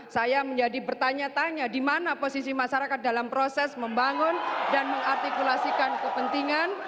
saya menjadi bertanya tanya di mana posisi masyarakat dalam proses membangun dan mengartikulasikan kepentingan